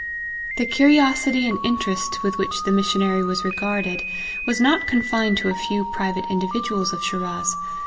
The curiosity and interest with which the mis sionary was regarded, was not confined to a few private individuals of Shiraz.